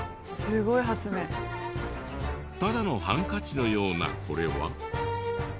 「すごい発明」ただのハンカチのようなこれは。